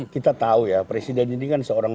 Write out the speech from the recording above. kita tahu ya presiden ini kan seorang